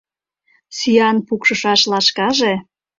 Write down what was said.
Сӱан пукшышаш лашкаже